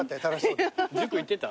塾行ってた？